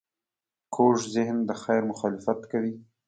کوږ ذهن د خیر مخالفت کوي